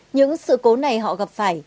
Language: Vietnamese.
những sự cố này họ gặp phải